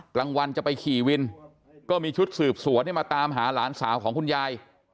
กลางวันจะไปขี่วินก็มีชุดสืบสวนมาตามหาหลานสาวของคุณยาย